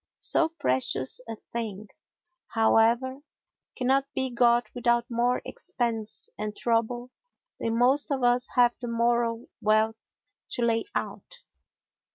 So precious a thing, however, cannot be got without more expense and trouble than most of us have the moral wealth to lay out.